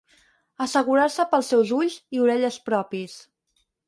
Assegurar-se pels seus ulls i orelles propis.